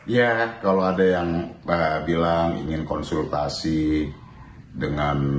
ya kalau ada yang bilang ingin konsultasi dengan